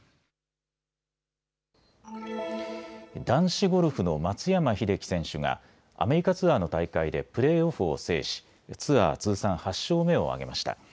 男子ゴルフの松山英樹選手がアメリカツアーの大会でプレーオフを制し、ツアー通算８勝目を挙げました。